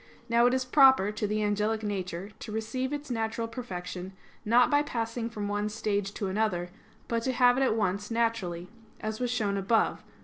Now it is proper to the angelic nature to receive its natural perfection not by passing from one stage to another; but to have it at once naturally, as was shown above (A.